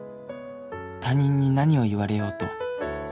「他人に何を言われようと」